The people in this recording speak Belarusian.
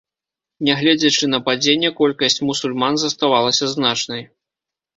Нягледзячы на падзенне, колькасць мусульман заставалася значнай.